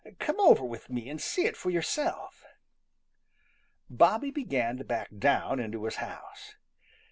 Come over with me and see it for yourself." Bobby began to back down into his house.